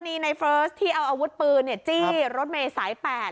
วันนี้ในเฟิร์สที่เอาอาวุธปืนเนี่ยจี้รถเมสายแปด